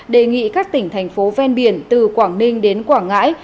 đề nghị các tỉnh thành phố ven biển từ quảng ninh đến quảng ngãi